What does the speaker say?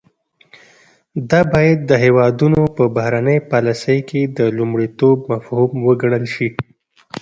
دا باید د هیوادونو په بهرنۍ پالیسۍ کې د لومړیتوب مفهوم وګڼل شي